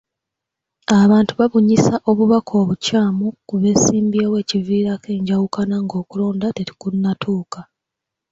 Abantu babunyisa obubaka obukyamu ku beesimbyewo ekiviirako enjawukana ng'okulonda tekunnatuuka.